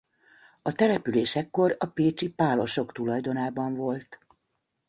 A település ekkor a pécsi pálosok tulajdonában volt.